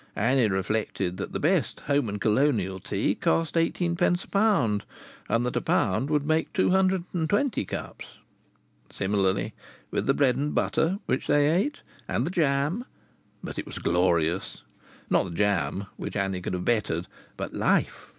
Annie reflected that the best "Home and Colonial" tea cost eighteenpence a pound, and that a pound would make two hundred and twenty cups. Similarly with the bread and butter which they ate, and the jam! But it was glorious. Not the jam (which Annie could have bettered), but life!